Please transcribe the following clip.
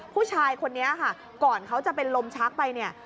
ผู้ชายคนนี้ค่ะก่อนเขาจะเป็นลมชักไปเนี่ย